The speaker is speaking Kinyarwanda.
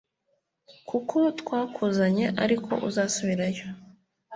kuko twakuzanye ariko uzasubirayo